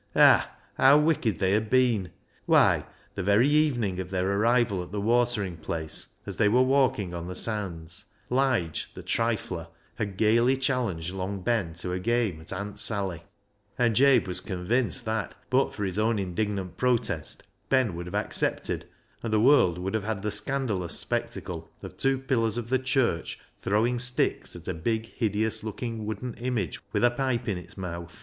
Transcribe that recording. Ah ! how wicked they had been ! Why, the very evening of their arrival at the watering place, as they were walking on the sands, Lige, the trifler, had gaily challenged Long Ben to a game at " Aunt Sally "; and Jabe was convinced that, but for his own indignant protest, Ben would have accepted, and the world would have had the scandalous spectacle of two pillars of the church throwing sticks at a big, hideous look ing wooden image with a pipe in its mouth.